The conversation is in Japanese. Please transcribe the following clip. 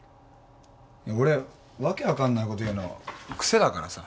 俺訳分かんないこと言うの癖だからさ。